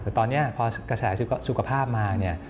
แต่ตอนนี้พอกระแสสุขภาพมา